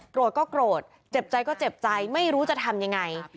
โกรธเจ็บใจก็เจ็บใจไม่รู้จะทำยังไง